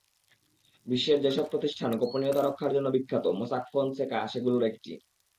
বিশ্বের যেসব প্রতিষ্ঠান গোপনীয়তা রক্ষার জন্য বিখ্যাত, মোসাক ফনসেকা সেগুলোর একটি।